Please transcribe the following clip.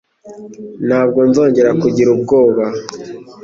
Ntabwo nzongera kugira ubwoba.